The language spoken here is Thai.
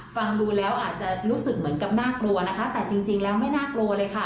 ฟังดูแล้วอาจจะรู้สึกเหมือนกับน่ากลัวนะคะแต่จริงแล้วไม่น่ากลัวเลยค่ะ